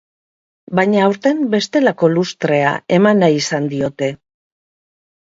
Baina aurten bestelako lustrea eman nahi izan diote.